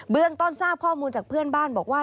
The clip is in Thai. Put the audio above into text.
เรื่องต้นทราบข้อมูลจากเพื่อนบ้านบอกว่า